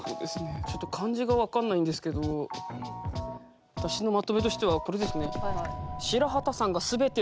ちょっと漢字が分かんないんですけど私のまとめとしてはこれですね。